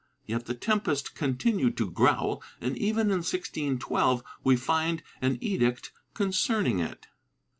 Yet the tempest continued to growl and even in 1612 we find an edict concerning it.'